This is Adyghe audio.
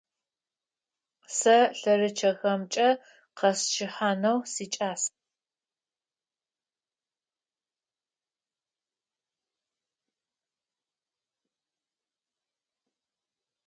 Сэ лъэрычъэхэмкӀэ къэсчъыхьанэу сикӀас.